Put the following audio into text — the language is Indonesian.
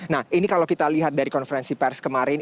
nah ini kalau kita lihat dari konferensi pers kemarin